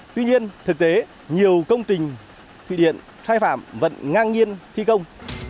tuy nhiên thực tế nhiều công trình thủy điện sai phạm vẫn ngang nhiên thi công